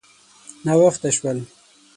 _ناوخته شول.